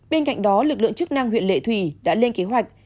bên cạnh đó lực lượng chức năng huyện lệ thủy đã lên kế hoạch